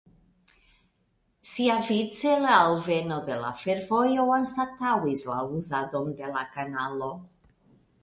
Siavice la alveno de la fervojo anstataŭis la uzadon de la kanalo.